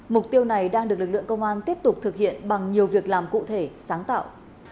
mục tiêu này đang được lực lượng công an tiếp tục thực hiện bằng nhiều việc làm cụ thể sáng tạo